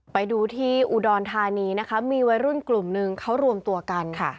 ไปดูที่อุดรธานีนะคะมีวัยรุ่นกลุ่มนึงเขารวมตัวกันค่ะ